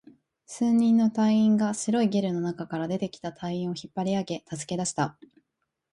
数人の隊員が白いゲルの中から出てきた隊員を引っ張り上げ、助け出した